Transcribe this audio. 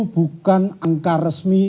bukan angka resmi